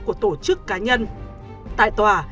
của tổ chức cá nhân tại tòa